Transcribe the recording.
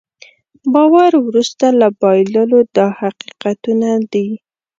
باور وروسته له بایللو دا حقیقتونه دي.